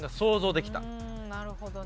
なるほどね。